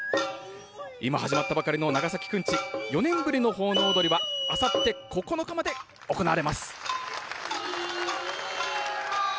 今始まったばかりの長崎くんち、４年ぶりの奉納踊はあさって９日まで行われます。